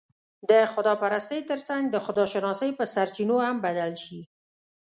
د خدا پرستۍ تر څنګ، د خودشناسۍ په سرچينو هم بدل شي